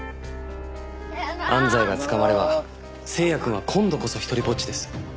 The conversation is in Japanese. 安西が捕まれば星也くんは今度こそ独りぼっちです。